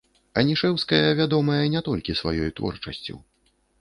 Анішэўская вядомая не толькі сваёй творчасцю.